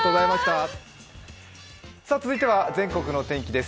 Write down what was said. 続いては全国の天気です。